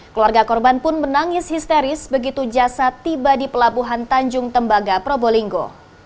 keluarga korban pun menangis histeris begitu jasad tiba di pelabuhan tanjung tembaga probolinggo